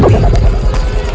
oh tidak makhluk apa ini